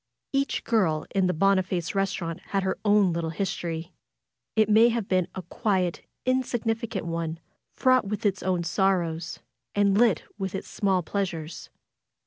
Each girl in the Boniface restaurant had her own little history. It may have been a quiet, insignificant one, fraught with its own sorrows, and lit with its small pleasures.